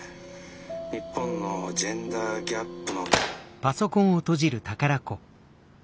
日本のジェンダーギャップの」。